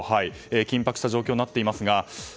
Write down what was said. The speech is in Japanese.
緊迫した状況になっていますが。